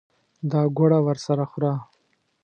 دا ګوړه ورسره خوره.